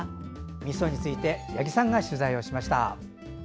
みそについて八木さんが取材しました。